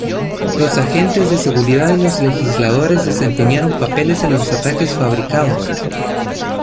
Los agentes de seguridad y los legisladores desempeñaron papeles en los ataques fabricados.